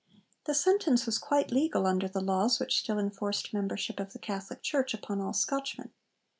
The sentence was quite legal under the laws which still enforced membership of the Catholic Church upon all Scotchmen.